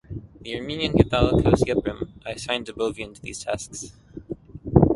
The Armenian Catholicos Yeprem I assigned Abovian to these tasks.